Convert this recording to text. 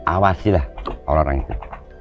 awasilah orang orang itu